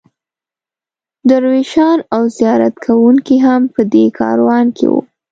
درویشان او زیارت کوونکي هم په دې کاروان کې وو.